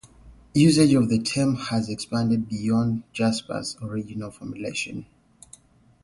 Usage of the term has expanded beyond Jaspers' original formulation.